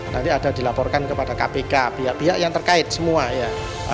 nanti ada dilaporkan kepada kpk pihak pihak yang terkait semua ya